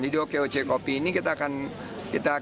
di okoc kopi ini kita akan